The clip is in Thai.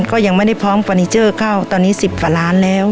ก็ยังไม่ได้พร้อมเฟอร์นิเจอร์เข้าตอนนี้๑๐กว่าล้านแล้ว